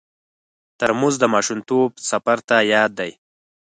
ترموز د ماشومتوب سفر ته یاد دی.